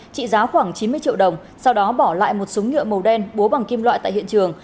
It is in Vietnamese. trị giá khoảng chín mươi triệu đồng sau đó bỏ lại một súng nhựa màu đen búa bằng kim loại tại hiện trường